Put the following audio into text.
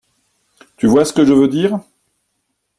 Tu vois ce que je veux dire?